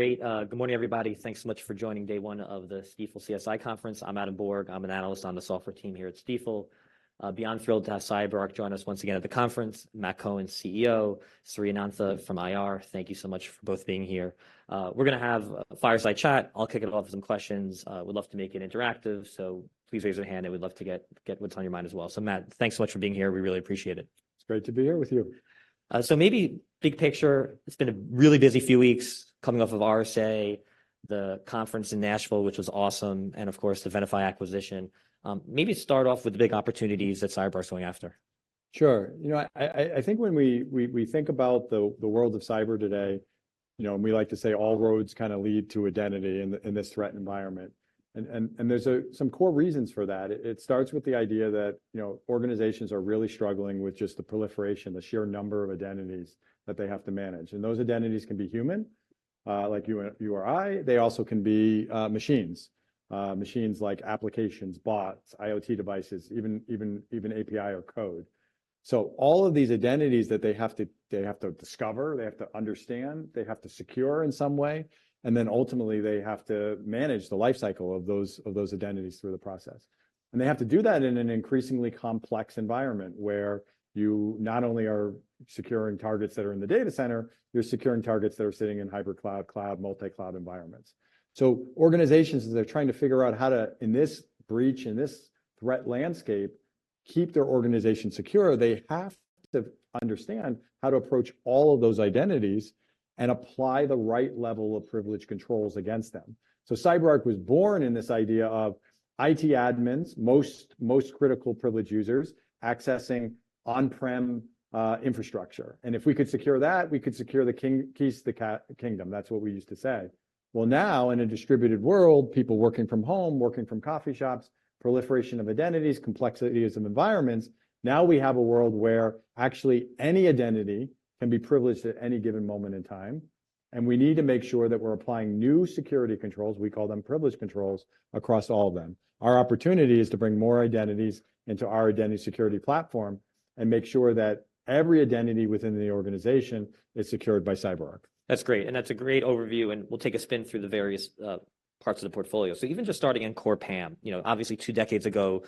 Great. Good morning, everybody. Thanks so much for joining day one of the Stifel CSI Conference. I'm Adam Borg. I'm an analyst on the software team here at Stifel. Beyond thrilled to have CyberArk join us once again at the conference. Matt Cohen, CEO, Sri Anantha from IR, thank you so much for both being here. We're gonna have a fireside chat. I'll kick it off with some questions. Would love to make it interactive, so please raise your hand, and we'd love to get, get what's on your mind as well. So Matt, thanks so much for being here. We really appreciate it. It's great to be here with you. So maybe big picture, it's been a really busy few weeks coming off of RSA, the conference in Nashville, which was awesome, and of course, the Venafi acquisition. Maybe start off with the big opportunities that CyberArk is going after. Sure. You know, I think when we think about the world of cyber today, you know, and we like to say all roads kinda lead to identity in this threat environment, and there's some core reasons for that. It starts with the idea that, you know, organizations are really struggling with just the proliferation, the sheer number of identities that they have to manage, and those identities can be human, like you or I. They also can be machines, like applications, bots, IoT devices, even API or code. So all of these identities that they have to discover, they have to understand, they have to secure in some way, and then ultimately, they have to manage the life cycle of those identities through the process. They have to do that in an increasingly complex environment, where you not only are securing targets that are in the data center, you're securing targets that are sitting in Hypercloud, cloud, multi-cloud environments. So organizations, as they're trying to figure out how to, in this breach, in this threat landscape, keep their organization secure, they have to understand how to approach all of those identities and apply the right level of privilege controls against them. So CyberArk was born in this idea of IT admins, most, most critical privileged users, accessing on-prem infrastructure, and if we could secure that, we could secure the keys to the kingdom. That's what we used to say. Well, now, in a distributed world, people working from home, working from coffee shops, proliferation of identities, complexities of environments, now we have a world where actually any identity can be privileged at any given moment in time, and we need to make sure that we're applying new security controls, we call them privilege controls, across all of them. Our opportunity is to bring more identities into our identity security platform and make sure that every identity within the organization is secured by CyberArk. That's great, and that's a great overview, and we'll take a spin through the various parts of the portfolio. So even just starting in core PAM, you know, obviously, two decades ago,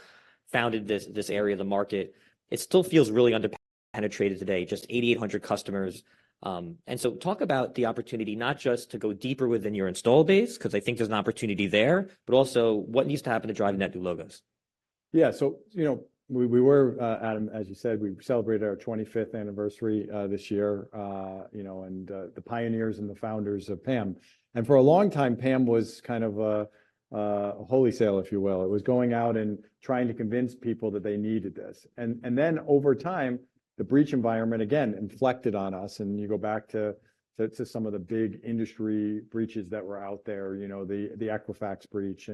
founded this, this area of the market, it still feels really under-penetrated today, just 8,800 customers. And so talk about the opportunity not just to go deeper within your install base, 'cause I think there's an opportunity there, but also, what needs to happen to drive net new logos? Yeah, so, you know, we, we were, Adam, as you said, we celebrated our 25th anniversary this year, you know, and the pioneers and the founders of PAM. And for a long time, PAM was kind of a holy sale, if you will. It was going out and trying to convince people that they needed this. And then over time, the breach environment again inflected on us, and you go back to some of the big industry breaches that were out there, you know, the Equifax breach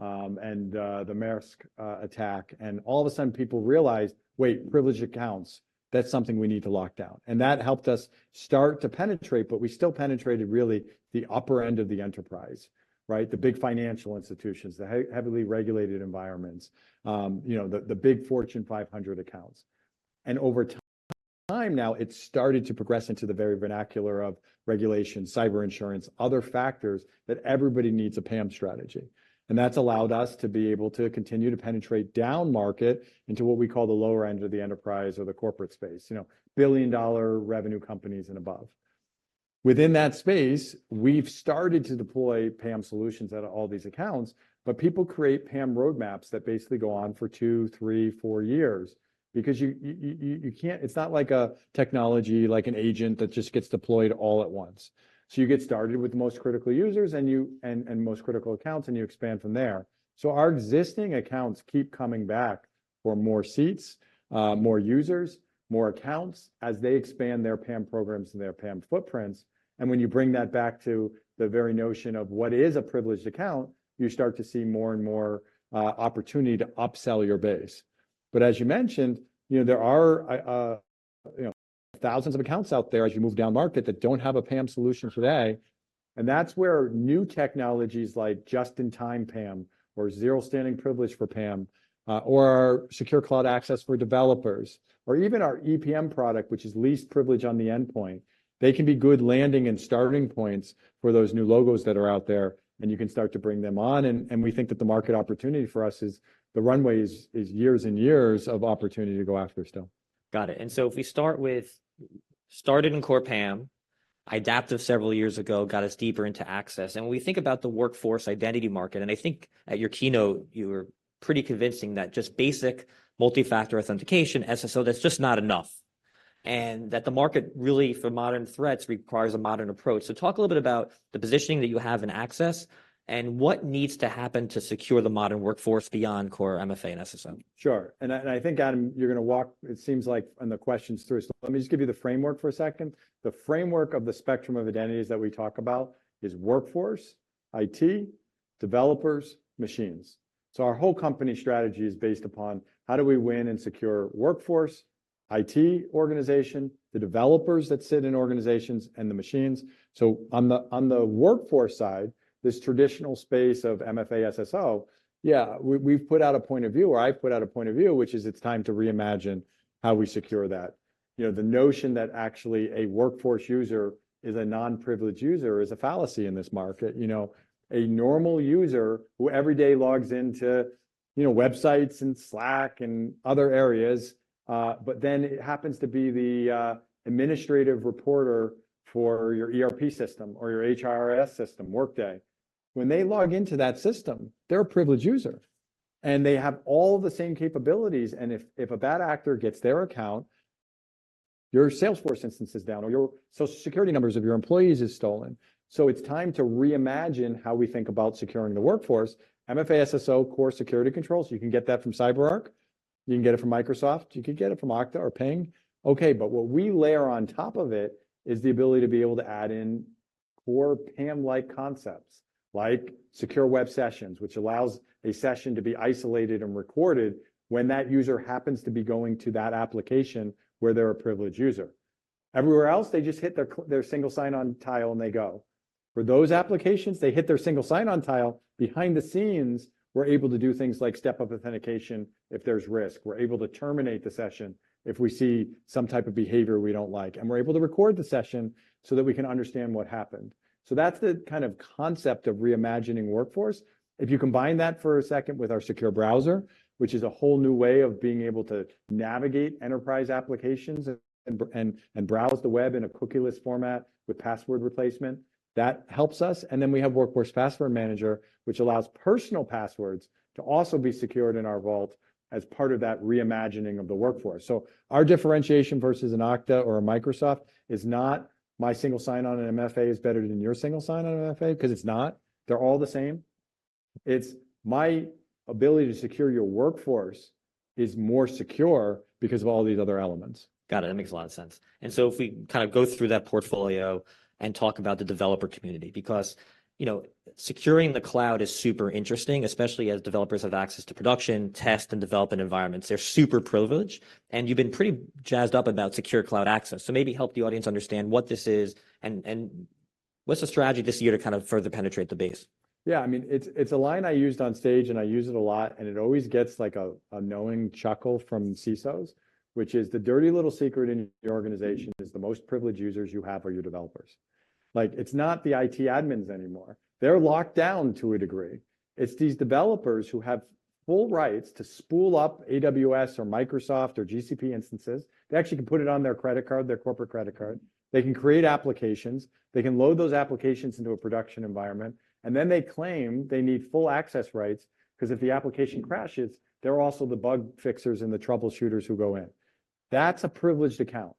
and the Maersk attack, and all of a sudden, people realized, "Wait, privileged accounts, that's something we need to lock down." And that helped us start to penetrate, but we still penetrated really the upper end of the enterprise, right? The big financial institutions, the heavily regulated environments, you know, the big Fortune 500 accounts. Over time now, it's started to progress into the very vernacular of regulation, cyber insurance, other factors that everybody needs a PAM strategy, and that's allowed us to be able to continue to penetrate downmarket into what we call the lower end of the enterprise or the corporate space, you know, billion-dollar revenue companies and above. Within that space, we've started to deploy PAM solutions out of all these accounts, but people create PAM roadmaps that basically go on for 2, 3, 4 years, because you can't. It's not like a technology, like an agent that just gets deployed all at once. So you get started with the most critical users, and most critical accounts, and you expand from there. So our existing accounts keep coming back for more seats, more users, more accounts, as they expand their PAM programs and their PAM footprints, and when you bring that back to the very notion of what is a privileged account, you start to see more and more, opportunity to upsell your base. But as you mentioned, you know, there are thousands of accounts out there as you move downmarket that don't have a PAM solution today, and that's where new technologies like just-in-time PAM or zero-standing privilege for PAM, or our secure cloud access for developers, or even our EPM product, which is least privilege on the endpoint, they can be good landing and starting points for those new logos that are out there, and you can start to bring them on, and we think that the market opportunity for us is the runway is years and years of opportunity to go after still. Got it, and so if we started in core PAM, Adaptive several years ago got us deeper into access, and when we think about the workforce identity market, and I think at your keynote, you were pretty convincing that just basic multi-factor authentication, SSO, that's just not enough, and that the market really for modern threats requires a modern approach. So talk a little bit about the positioning that you have in access and what needs to happen to secure the modern workforce beyond core MFA and SSO? Sure, I think, Adam, you're gonna walk, it seems like, on the questions through, so let me just give you the framework for a second. The framework of the spectrum of identities that we talk about is workforce, IT, developers, machines. So our whole company strategy is based upon how do we win and secure workforce, IT organization, the developers that sit in organizations, and the machines? So on the workforce side, this traditional space of MFA, SSO, yeah, we've put out a point of view, or I've put out a point of view, which is it's time to reimagine how we secure that, you know, the notion that actually a workforce user is a non-privileged user is a fallacy in this market. You know, a normal user who every day logs into, you know, websites and Slack and other areas, but then happens to be the administrative reporter for your ERP system or your HRIS system, Workday. When they log into that system, they're a privileged user, and they have all the same capabilities, and if a bad actor gets their account, your Salesforce instance is down or your Social Security numbers of your employees is stolen. So it's time to reimagine how we think about securing the workforce. MFA SSO core security controls, you can get that from CyberArk, you can get it from Microsoft, you could get it from Okta or Ping. Okay, but what we layer on top of it is the ability to be able to add in core PAM-like concepts, like secure web sessions, which allows a session to be isolated and recorded when that user happens to be going to that application where they're a privileged user. Everywhere else, they just hit their single sign-on tile, and they go. For those applications, they hit their single sign-on tile, behind the scenes, we're able to do things like step-up authentication if there's risk. We're able to terminate the session if we see some type of behavior we don't like. And we're able to record the session so that we can understand what happened. So that's the kind of concept of reimagining workforce. If you combine that for a second with our secure browser, which is a whole new way of being able to navigate enterprise applications and browse the web in a cookieless format with password replacement, that helps us. And then we have Workforce Password Manager, which allows personal passwords to also be secured in our vault as part of that reimagining of the workforce. So our differentiation versus an Okta or a Microsoft is not my single sign-on in MFA is better than your single sign-on in MFA, 'cause it's not. They're all the same. It's my ability to secure your workforce is more secure because of all these other elements. Got it. That makes a lot of sense. And so if we kind of go through that portfolio and talk about the developer community, because, you know, securing the cloud is super interesting, especially as developers have access to production, test, and development environments. They're super privileged, and you've been pretty jazzed up about secure cloud access, so maybe help the audience understand what this is and, and what's the strategy this year to kind of further penetrate the base? Yeah, I mean, it's a line I used on stage, and I use it a lot, and it always gets, like, a knowing chuckle from CISOs, which is the dirty little secret in your organization is the most privileged users you have are your developers. Like, it's not the IT admins anymore. They're locked down to a degree. It's these developers who have full rights to spool up AWS or Microsoft or GCP instances. They actually can put it on their credit card, their corporate credit card. They can create applications. They can load those applications into a production environment, and then they claim they need full access rights, 'cause if the application crashes, they're also the bug fixers and the troubleshooters who go in. That's a privileged account,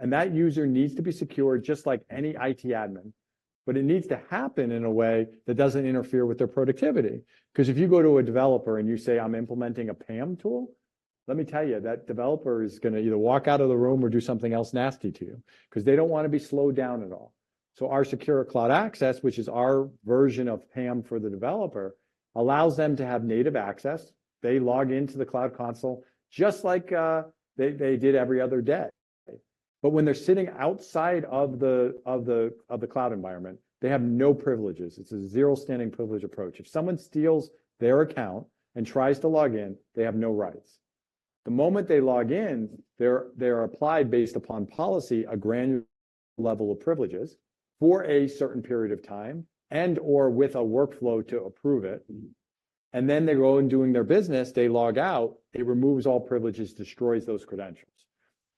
and that user needs to be secure, just like any IT admin, but it needs to happen in a way that doesn't interfere with their productivity. 'Cause if you go to a developer and you say, "I'm implementing a PAM tool," let me tell you, that developer is gonna either walk out of the room or do something else nasty to you, 'cause they don't wanna be slowed down at all. So our Secure Cloud Access, which is our version of PAM for the developer, allows them to have native access. They log into the cloud console, just like they did every other day. But when they're sitting outside of the cloud environment, they have no privileges. It's a Zero Standing Privilege approach. If someone steals their account and tries to log in, they have no rights. The moment they log in, they're applied, based upon policy, a granular level of privileges for a certain period of time and/or with a workflow to approve it. Then they go and do their business, they log out, it removes all privileges, destroys those credentials.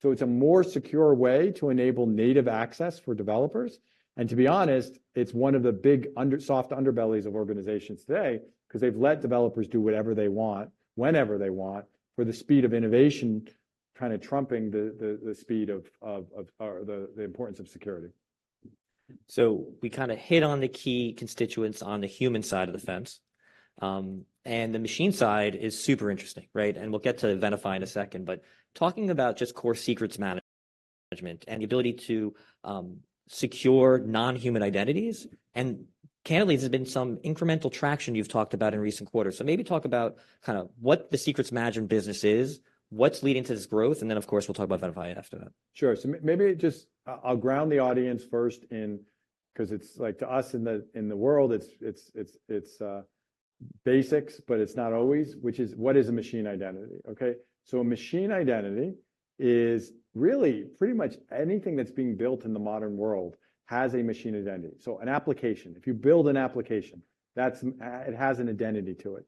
So it's a more secure way to enable native access for developers, and to be honest, it's one of the big soft underbellies of organizations today 'cause they've let developers do whatever they want, whenever they want, for the speed of innovation kind of trumping the importance of security. So we kinda hit on the key constituents on the human side of the fence. And the machine side is super interesting, right? And we'll get to Venafi in a second, but talking about just core secrets management and the ability to, secure non-human identities, and candidly, there's been some incremental traction you've talked about in recent quarters. So maybe talk about kind of what the secrets management business is, what's leading to this growth, and then, of course, we'll talk about Venafi after that. Sure. So maybe just, I'll ground the audience first in... 'Cause it's like, to us in the, in the world, it's, it's, it's, it's, basics, but it's not always, which is what is a machine identity? Okay, so a machine identity is really pretty much anything that's being built in the modern world has a machine identity. So an application, if you build an application, that's, it has an identity to it.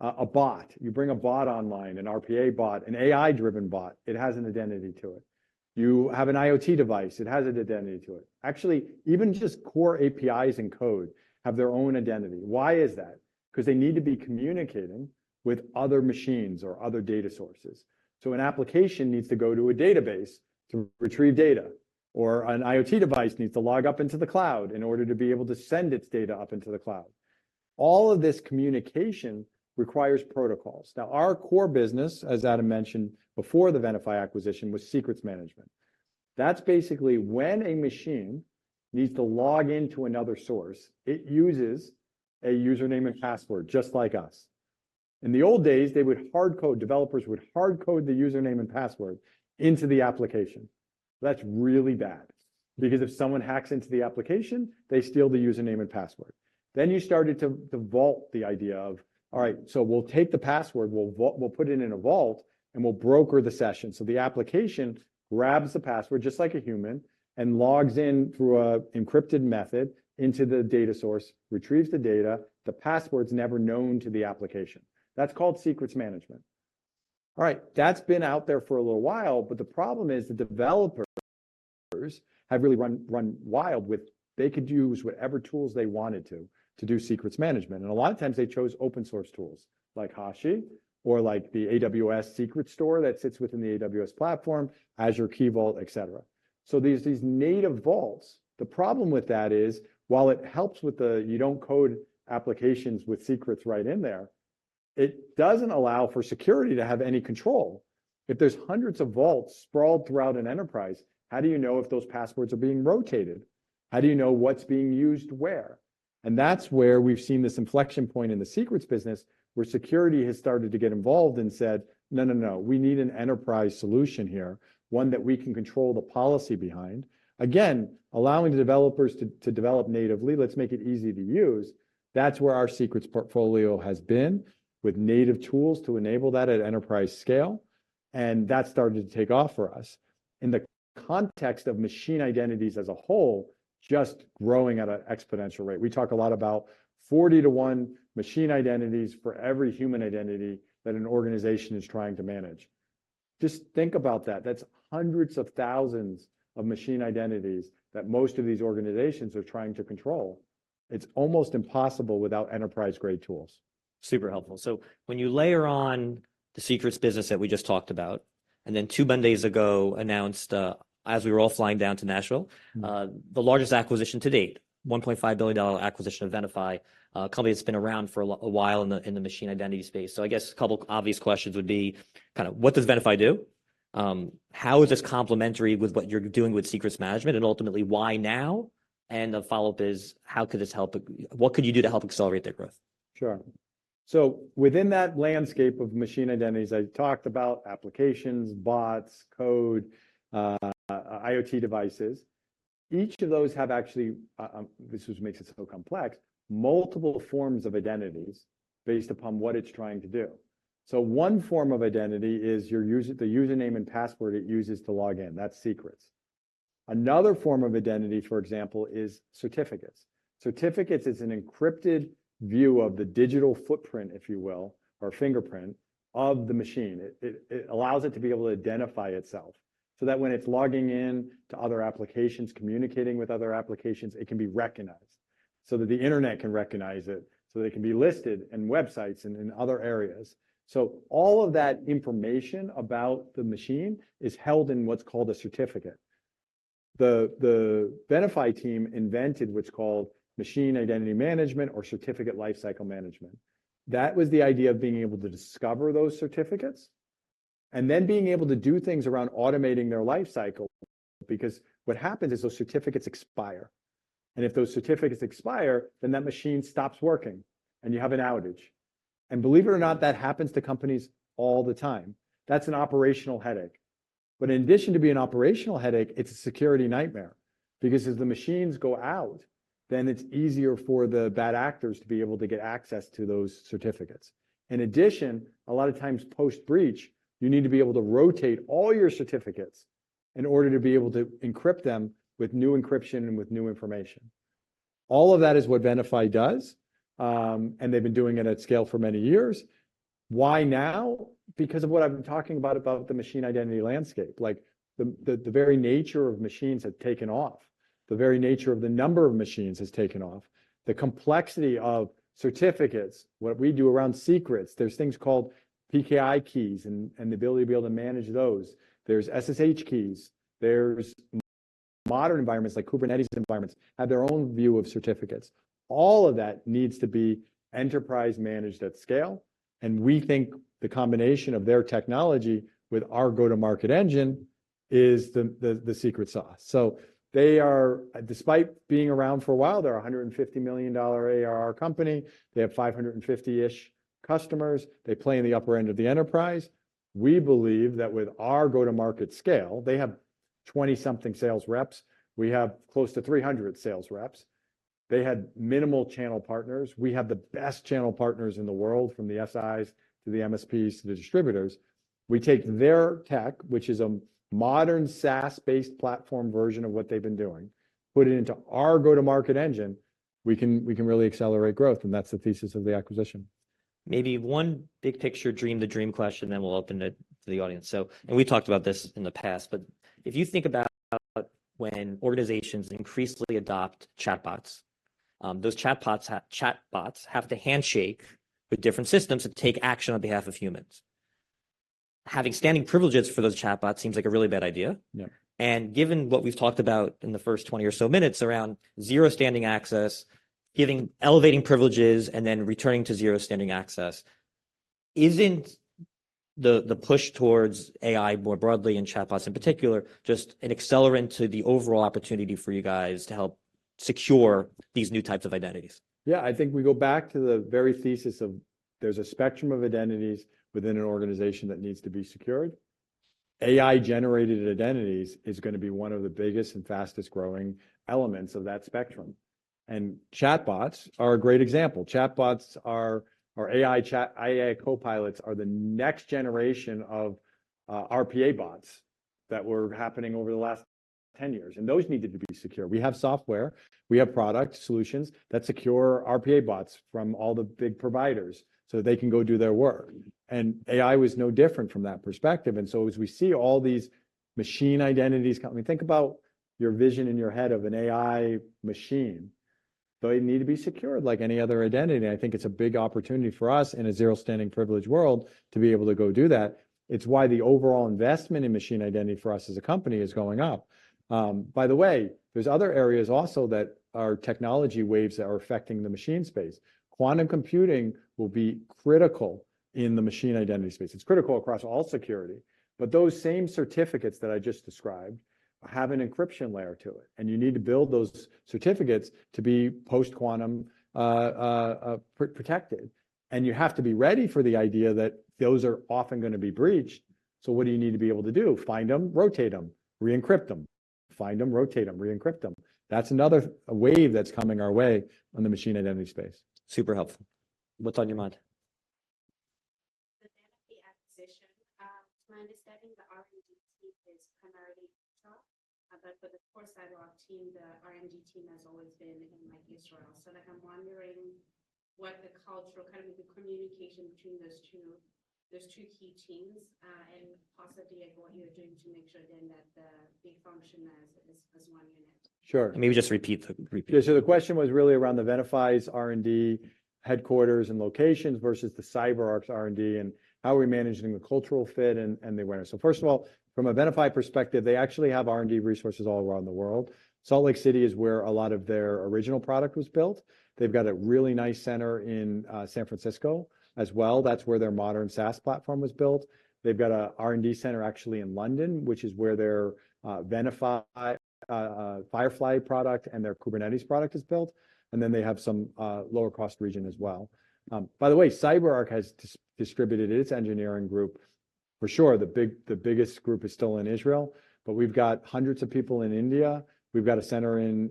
A bot, you bring a bot online, an RPA bot, an AI-driven bot, it has an identity to it. You have an IoT device, it has an identity to it. Actually, even just core APIs and code have their own identity. Why is that? 'Cause they need to be communicating with other machines or other data sources. So an application needs to go to a database to retrieve data, or an IoT device needs to log up into the cloud in order to be able to send its data up into the cloud. All of this communication requires protocols. Now, our core business, as Adam mentioned, before the Venafi acquisition, was secrets management. That's basically when a machine needs to log in to another source, it uses a username and password, just like us. In the old days, they would hard code... Developers would hard code the username and password into the application.... That's really bad, because if someone hacks into the application, they steal the username and password. Then you started to the vault, the idea of, "All right, so we'll take the password, we'll put it in a vault, and we'll broker the session." So the application grabs the password, just like a human, and logs in through an encrypted method into the data source, retrieves the data. The password's never known to the application. That's called secrets management. All right, that's been out there for a little while, but the problem is, the developers have really run wild with... They could use whatever tools they wanted to, to do secrets management, and a lot of times they chose open source tools, like Hashi or like the AWS Secrets store that sits within the AWS platform, Azure Key Vault, et cetera. So these native vaults, the problem with that is, while it helps with the you don't code applications with secrets right in there, it doesn't allow for security to have any control. If there's hundreds of vaults sprawled throughout an enterprise, how do you know if those passwords are being rotated? How do you know what's being used where? And that's where we've seen this inflection point in the secrets business, where security has started to get involved and said, "No, no, no, we need an enterprise solution here, one that we can control the policy behind." Again, allowing the developers to develop natively, let's make it easy to use. That's where our secrets portfolio has been, with native tools to enable that at enterprise scale, and that's started to take off for us. In the context of machine identities as a whole, just growing at an exponential rate. We talk a lot about 40-to-1 machine identities for every human identity that an organization is trying to manage. Just think about that. That's hundreds of thousands of machine identities that most of these organizations are trying to control. It's almost impossible without enterprise-grade tools. Super helpful. So when you layer on the secrets business that we just talked about, and then two Mondays ago announced, as we were all flying down to Nashville-... the largest acquisition to date, $1.5 billion acquisition of Venafi, a company that's been around for a while in the machine identity space. So I guess a couple obvious questions would be kind of, what does Venafi do? How is this complementary with what you're doing with secrets management, and ultimately, why now? And the follow-up is, how could this help... What could you do to help accelerate their growth? Sure. So within that landscape of machine identities, I talked about applications, bots, code, IoT devices. Each of those have actually, this is what makes it so complex, multiple forms of identities based upon what it's trying to do. So one form of identity is your user, the username and password it uses to log in. That's secrets. Another form of identity, for example, is certificates. Certificates is an encrypted view of the digital footprint, if you will, or fingerprint of the machine. It allows it to be able to identify itself, so that when it's logging in to other applications, communicating with other applications, it can be recognized, so that the internet can recognize it, so that it can be listed in websites and in other areas. So all of that information about the machine is held in what's called a certificate. The Venafi team invented what's called Machine Identity Management or Certificate Lifecycle Management. That was the idea of being able to discover those certificates, and then being able to do things around automating their life cycle, because what happens is those certificates expire, and if those certificates expire, then that machine stops working, and you have an outage. Believe it or not, that happens to companies all the time. That's an operational headache. But in addition to being an operational headache, it's a security nightmare, because as the machines go out, then it's easier for the bad actors to be able to get access to those certificates. In addition, a lot of times post-breach, you need to be able to rotate all your certificates in order to be able to encrypt them with new encryption and with new information. All of that is what Venafi does, and they've been doing it at scale for many years. Why now? Because of what I've been talking about, about the machine identity landscape. Like, the, the, the very nature of machines has taken off. The very nature of the number of machines has taken off. The complexity of certificates, what we do around secrets, there's things called PKI keys and, and the ability to be able to manage those. There's SSH keys, there's modern environments, like Kubernetes environments, have their own view of certificates. All of that needs to be enterprise managed at scale, and we think the combination of their technology with our go-to-market engine is the, the, the secret sauce. So they are-- Despite being around for a while, they're a $150 million ARR company. They have 550-ish customers. They play in the upper end of the enterprise. We believe that with our go-to-market scale, they have 20-something sales reps. We have close to 300 sales reps. They had minimal channel partners. We have the best channel partners in the world, from the SIs to the MSPs to the distributors. We take their tech, which is a modern, SaaS-based platform version of what they've been doing, put it into our go-to-market engine, we can, we can really accelerate growth, and that's the thesis of the acquisition. Maybe one big picture, dream the dream question, then we'll open it to the audience. So, we talked about this in the past, but if you think about when organizations increasingly adopt chatbots, those chatbots have to handshake with different systems to take action on behalf of humans. Having standing privileges for those chatbots seems like a really bad idea. Yeah. Given what we've talked about in the first 20 or so minutes around zero standing access, giving elevating privileges, and then returning to zero standing access, isn't the push towards AI more broadly, and chatbots in particular, just an accelerant to the overall opportunity for you guys to help secure these new types of identities? Yeah, I think we go back to the very thesis of there's a spectrum of identities within an organization that needs to be secured. AI-generated identities is gonna be one of the biggest and fastest-growing elements of that spectrum, and chatbots are a great example. Chatbots are—or AI chat, AI copilots are the next generation of RPA bots that were happening over the last 10 years, and those needed to be secure. We have software, we have product solutions that secure RPA bots from all the big providers, so they can go do their work, and AI was no different from that perspective. And so as we see all these machine identities coming, think about your vision in your head of an AI machine. They need to be secured like any other identity. I think it's a big opportunity for us in a zero-standing privilege world to be able to go do that. It's why the overall investment in machine identity for us as a company is going up. By the way, there's other areas also that are technology waves that are affecting the machine space. Quantum computing will be critical in the machine identity space. It's critical across all security, but those same certificates that I just described have an encryption layer to it, and you need to build those certificates to be post-quantum protected. And you have to be ready for the idea that those are often gonna be breached. So what do you need to be able to do? Find them, rotate them, re-encrypt them, find them, rotate them, re-encrypt them. That's another wave that's coming our way on the machine identity space. Super helpful. What's on your mind? The Venafi acquisition. To my understanding, the R&D team is primarily internal, but for the CyberArk team, the R&D team has always been in, like, Israel. So like I'm wondering what the cultural, kind of the communication between those two, those two key teams, and possibly like what you're doing to make sure then that they function as, as, as one unit. Sure. Maybe just repeat the Yeah, so the question was really around the Venafi's R&D headquarters and locations versus the CyberArk's R&D, and how are we managing the cultural fit and the awareness. So first of all, from a Venafi perspective, they actually have R&D resources all around the world. Salt Lake City is where a lot of their original product was built. They've got a really nice center in San Francisco as well. That's where their modern SaaS platform was built. They've got an R&D center actually in London, which is where their Venafi Firefly product and their Kubernetes product is built, and then they have some lower-cost region as well. By the way, CyberArk has distributed its engineering group. For sure, the biggest group is still in Israel, but we've got hundreds of people in India. We've got a center in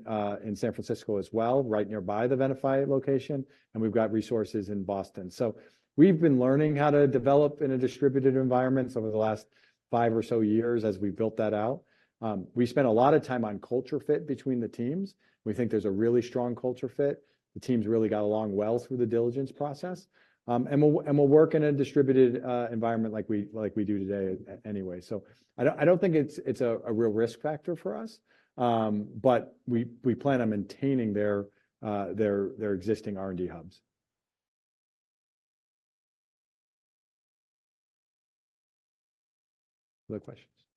San Francisco as well, right nearby the Venafi location, and we've got resources in Boston. So we've been learning how to develop in a distributed environment over the last five or so years as we built that out. We spent a lot of time on culture fit between the teams. We think there's a really strong culture fit. The teams really got along well through the diligence process. And we'll work in a distributed environment like we do today anyway. So I don't think it's a real risk factor for us, but we plan on maintaining their existing R&D hubs. Other questions? With the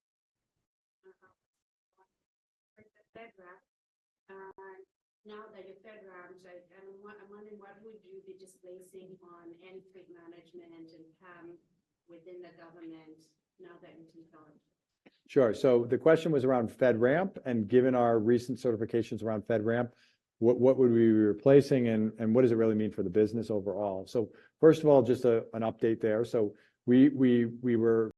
FedRAMP, now that you're FedRAMPed, I'm wondering what would you be displacing on endpoint management and PAM within the government now that you've been bought? Sure. So the question was around FedRAMP, and given our recent certifications around FedRAMP, what would we be replacing, and what does it really mean for the business overall? So first of all, just an update there. So we were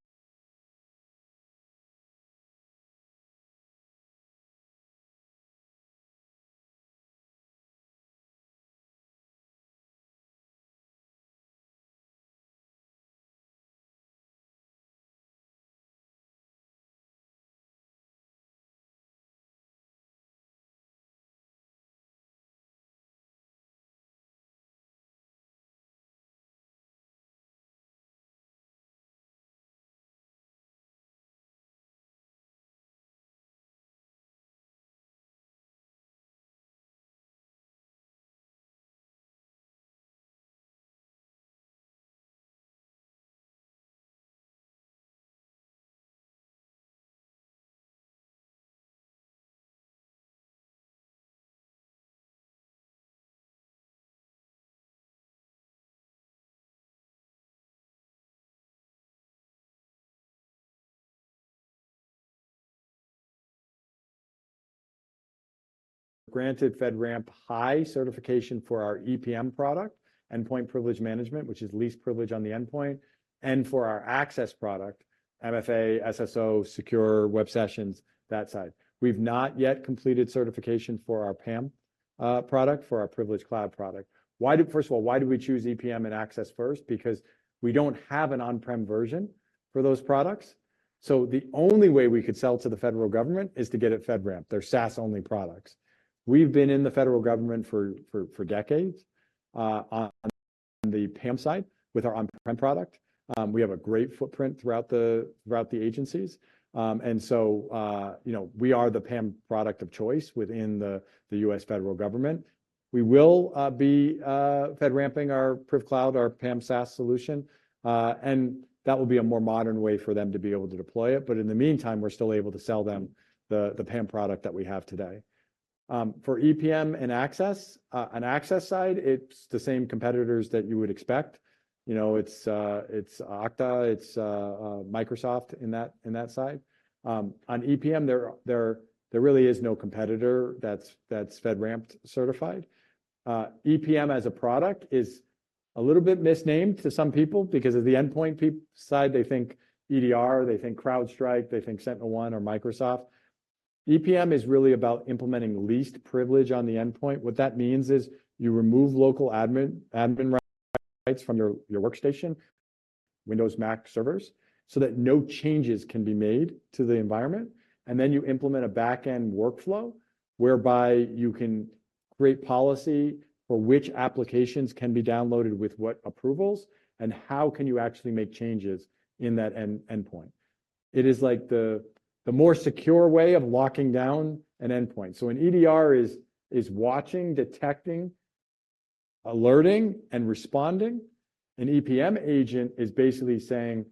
granted FedRAMP high certification for our EPM product, Endpoint Privilege Management, which is least privilege on the endpoint, and for our access product, MFA, SSO, secure web sessions, that side. We've not yet completed certification for our PAM product, for our Privilege Cloud product. First of all, why do we choose EPM and Access first? Because we don't have an on-prem version for those products, so the only way we could sell to the federal government is to get it FedRAMP. They're SaaS-only products. We've been in the federal government for decades on the PAM side with our on-prem product. We have a great footprint throughout the agencies. And so, you know, we are the PAM product of choice within the US federal government. We will be FedRAMPing our Priv Cloud, our PAM SaaS solution, and that will be a more modern way for them to be able to deploy it. But in the meantime, we're still able to sell them the PAM product that we have today. For EPM and Access, on Access side, it's the same competitors that you would expect. You know, it's Okta, it's Microsoft in that side. On EPM, there really is no competitor that's FedRAMP-certified. EPM as a product is-... A little bit misnamed to some people, because of the endpoint people side, they think EDR, they think CrowdStrike, they think SentinelOne or Microsoft. EPM is really about implementing least privilege on the endpoint. What that means is you remove local admin rights from your workstation, Windows, Mac, servers, so that no changes can be made to the environment, and then you implement a back-end workflow whereby you can create policy for which applications can be downloaded with what approvals, and how can you actually make changes in that endpoint. It is like the more secure way of locking down an endpoint. So an EDR is watching, detecting, alerting, and responding. An EPM agent is basically saying,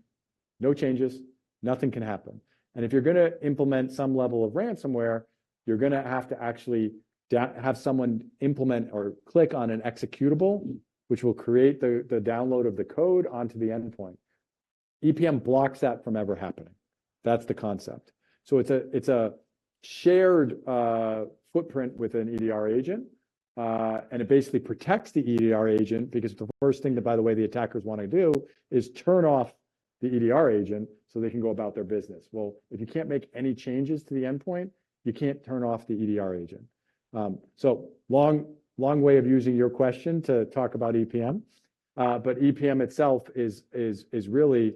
"No changes, nothing can happen." And if you're going to implement some level of ransomware, you're going to have to actually down... Have someone implement or click on an executable, which will create the download of the code onto the endpoint. EPM blocks that from ever happening. That's the concept. So it's a shared footprint with an EDR agent, and it basically protects the EDR agent, because the first thing that, by the way, the attackers want to do, is turn off the EDR agent so they can go about their business. Well, if you can't make any changes to the endpoint, you can't turn off the EDR agent. So long way of using your question to talk about EPM, but EPM itself is really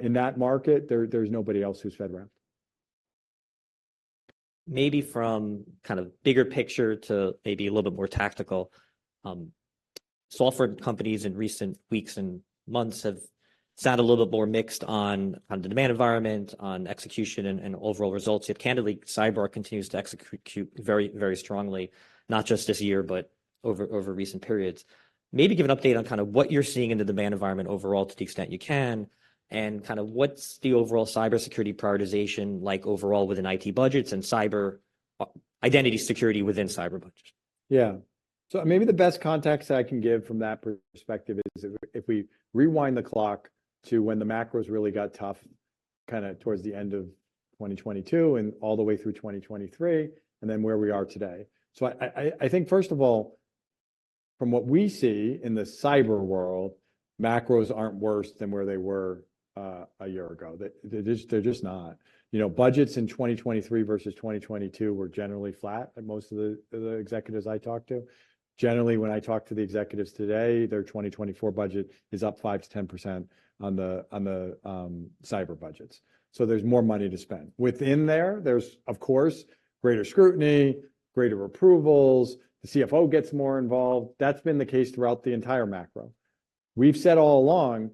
in that market, there's nobody else who's FedRAMP. Maybe from kind of bigger picture to maybe a little bit more tactical. Software companies in recent weeks and months have sounded a little bit more mixed on, on the demand environment, on execution and, and overall results. Yet candidly, CyberArk continues to execute, quite, very, very strongly, not just this year, but over, over recent periods. Maybe give an update on kind of what you're seeing in the demand environment overall to the extent you can, and kind of what's the overall cybersecurity prioritization like overall within IT budgets and cyber, identity security within cyber budgets? Yeah. So maybe the best context I can give from that perspective is if we rewind the clock to when the macros really got tough, kind of towards the end of 2022 and all the way through 2023, and then where we are today. So I think first of all, from what we see in the cyber world, macros aren't worse than where they were a year ago. They're just not. You know, budgets in 2023 versus 2022 were generally flat, and most of the executives I talked to. Generally, when I talk to the executives today, their 2024 budget is up 5%-10% on the cyber budgets. So there's more money to spend. Within there, there's, of course, greater scrutiny, greater approvals, the CFO gets more involved. That's been the case throughout the entire macro. We've said all along,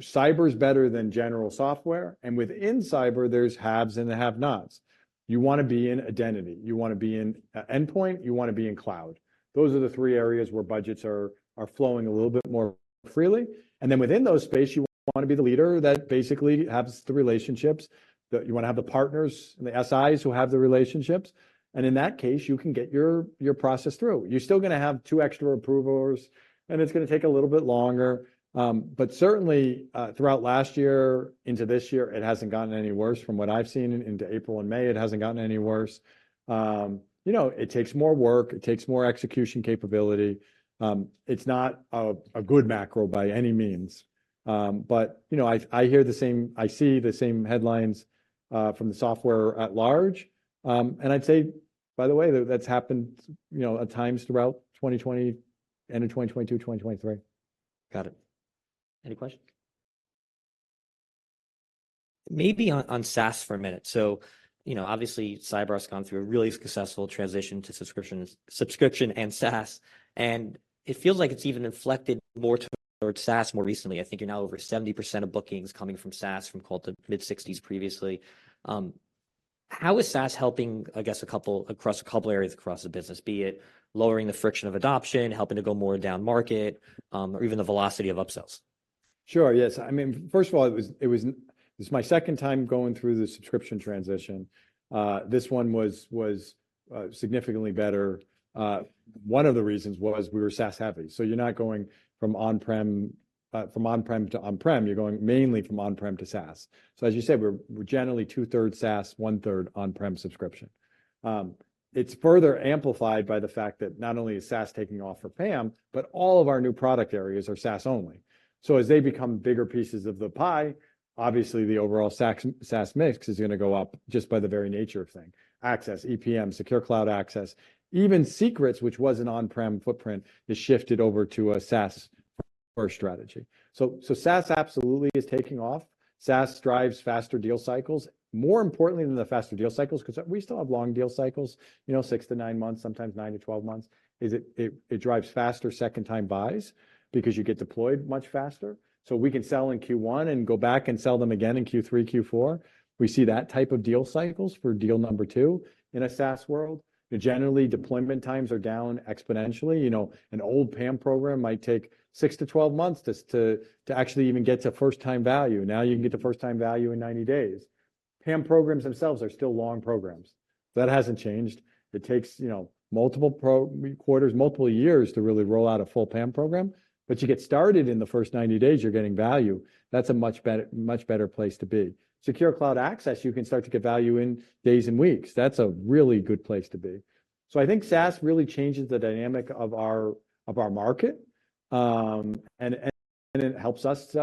cyber is better than general software, and within cyber, there's haves and the have-nots. You want to be in identity, you want to be in endpoint, you want to be in cloud. Those are the three areas where budgets are flowing a little bit more freely. And then within those space, you want to be the leader that basically has the relationships, that you want to have the partners and the SIs who have the relationships, and in that case, you can get your process through. You're still going to have two extra approvers, and it's going to take a little bit longer, but certainly throughout last year into this year, it hasn't gotten any worse from what I've seen into April and May. It hasn't gotten any worse. You know, it takes more work, it takes more execution capability. It's not a good macro by any means, but, you know, I hear the same... I see the same headlines from the software at large. And I'd say, by the way, that that's happened, you know, at times throughout 2020, end of 2022, 2023. Got it. Any questions? Maybe on SaaS for a minute. So, you know, obviously, CyberArk's gone through a really successful transition to subscriptions, subscription and SaaS, and it feels like it's even inflected more towards SaaS more recently. I think you're now over 70% of bookings coming from SaaS, from called the mid-60s previously. How is SaaS helping, I guess, a couple across a couple areas across the business? Be it lowering the friction of adoption, helping to go more down-market, or even the velocity of upsells. Sure. Yes. I mean, first of all, it was. This is my second time going through the subscription transition. This one was significantly better. One of the reasons was we were SaaS heavy, so you're not going from on-prem from on-prem to on-prem, you're going mainly from on-prem to SaaS. So as you said, we're generally two-thirds SaaS, one-third on-prem subscription. It's further amplified by the fact that not only is SaaS taking off for PAM, but all of our new product areas are SaaS only. So as they become bigger pieces of the pie, obviously, the overall SaaS mix is going to go up just by the very nature of thing. Access, EPM, Secure Cloud Access, even Secrets, which was an on-prem footprint, has shifted over to a SaaS-first strategy. So SaaS absolutely is taking off. SaaS drives faster deal cycles. More importantly than the faster deal cycles, 'cause we still have long deal cycles, you know, 6-9 months, sometimes 9-12 months, is, it drives faster second-time buys because you get deployed much faster. So we can sell in Q1 and go back and sell them again in Q3, Q4. We see that type of deal cycles for deal number two in a SaaS world. Generally, deployment times are down exponentially. You know, an old PAM program might take 6-12 months just to actually even get to first-time value. Now, you can get to first-time value in 90 days. PAM programs themselves are still long programs. That hasn't changed. It takes, you know, multiple quarters, multiple years to really roll out a full PAM program, but you get started in the first 90 days, you're getting value. That's a much better, much better place to be. Secure Cloud Access, you can start to get value in days and weeks. That's a really good place to be. So I think SaaS really changes the dynamic of our, of our market, and, and, and it helps us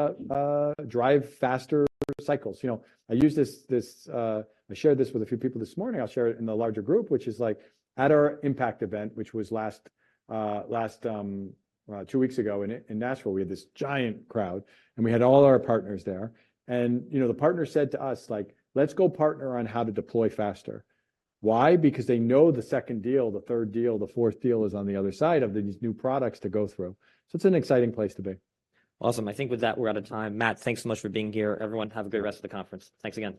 drive faster cycles. You know, I use this, this... I shared this with a few people this morning. I'll share it in the larger group, which is, like, at our Impact event, which was last, last 2 weeks ago in, in Nashville, we had this giant crowd, and we had all our partners there. You know, the partners said to us, like: "Let's go partner on how to deploy faster." Why? Because they know the second deal, the third deal, the fourth deal is on the other side of these new products to go through. So it's an exciting place to be. Awesome. I think with that, we're out of time. Matt, thanks so much for being here. Everyone, have a great rest of the conference. Thanks again.